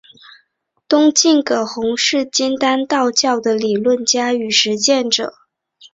东晋葛洪是金丹道教的理论家与实践者。